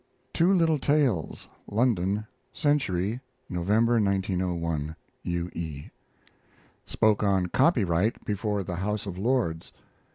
TWO LITTLE TALES (London) Century, November, 1901. U. E. Spoke on "Copyright" before the House of Lords.